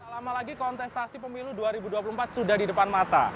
lama lagi kontestasi pemilu dua ribu dua puluh empat sudah di depan mata